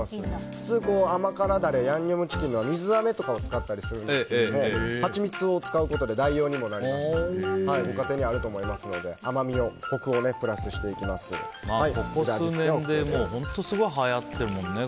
普通、甘辛ダレヤンニョムチキンの水あめとかも使ったりするんですけどハチミツを使うことで代用になりますしご家庭にあると思いますので甘みを、コクをここ数年で、ものすごくはやってるもんね。